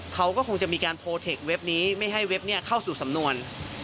เขาก็คงจะมีการโพลเทคเว็บนี้ไม่ให้เว็บนี้เข้าสู่สำนวน